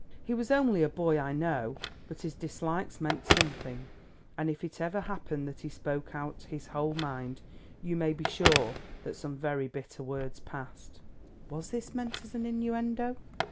He was only a boy, I know, but his dislikes meant something, and if it ever happened that he spoke out his whole mind, you may be sure that some very bitter words passed." Was this meant as an innuendo?